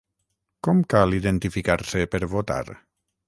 Com cal identificar-se per votar?